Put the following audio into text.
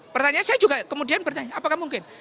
pertanyaan saya juga kemudian bertanya apakah mungkin